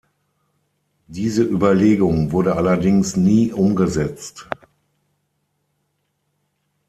Diese Überlegung wurde allerdings nie umgesetzt.